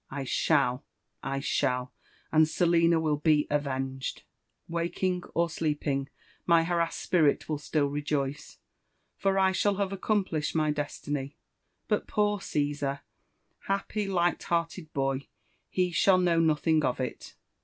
I shall — I shall, and Selina will be avenged ! Waking or sleeping, my harassed spirit will still rejoice ; for I shall have accomplished my destiny. — ^But poor Cesar, happy, light hearted boy I he shall know nothing of it.